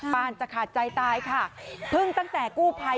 ปานจะขาดใจตายค่ะเพิ่งตั้งแต่กู้ภัย